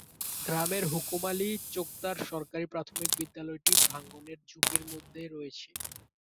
গ্রামের হুকুম আলী চোকদার সরকারি প্রাথমিক বিদ্যালয়টি ভাঙনের ঝুঁকির মধ্যে রয়েছে।